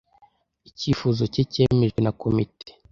Icyifuzo cye cyemejwe na komite.